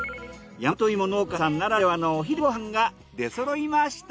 大和芋農家さんならではのお昼ご飯が出揃いました。